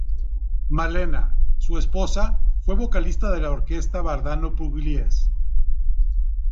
Malena, su esposa, fue vocalista de la orquesta de Vardaro-Pugliese.